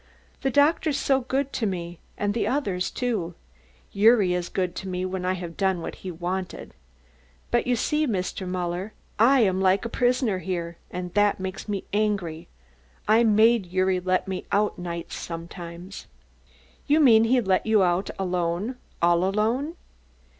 The doctor's so good to me and the others too. Gyuri is good to me when I have done what he wanted. But you see, Mr. Muller, I am like a prisoner here and that makes me angry. I made Gyuri let me out nights sometimes." "You mean he let you out alone, all alone?"